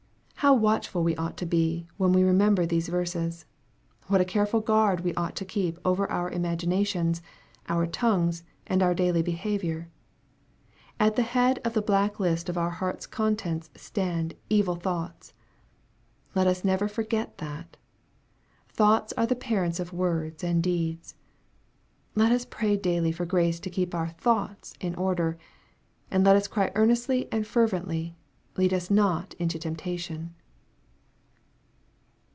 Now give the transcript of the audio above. How watchful we ought to be, when we remember these verses ! What a careful guard we ought to keep over our imaginations, our tongues, and our daily be havior ! At the head of the black list of our heart's contents, stand " evil thoughts." Let us never forget that. Thoughts are the parents of words and deeds. Let us pray daily for grace to keep our thoughts in order, and let us cry earnestly and fervently, " lead us not into temptation."